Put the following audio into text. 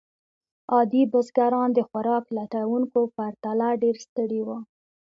عادي بزګران د خوراک لټونکو پرتله ډېر ستړي وو.